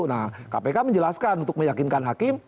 nah kpk menjelaskan untuk meyakinkan hakim